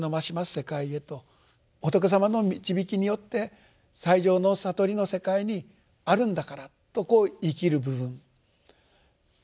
世界へと仏様の導きによって最上の悟りの世界にあるんだからとこう言い切る部分。